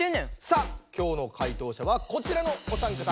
さあ今日の解答者はこちらのお三方。